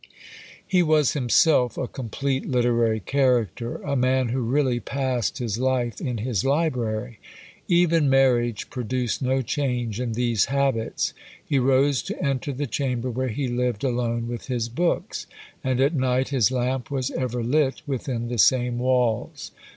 He was himself a complete literary character, a man who really passed his life in his library. Even marriage produced no change in these habits; he rose to enter the chamber where he lived alone with his books, and at night his lamp was ever lit within the same walls.